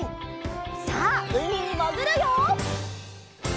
さあうみにもぐるよ！